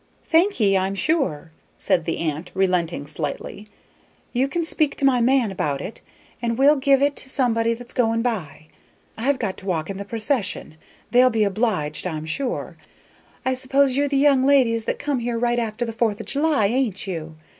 "Thank ye, I'm sure," said the aunt, relenting slightly. "You can speak to my man about it, and he'll give it to somebody that's going by. I've got to walk in the procession. They'll be obliged, I'm sure. I s'pose you're the young ladies that come here right after the Fourth o' July, ain't you?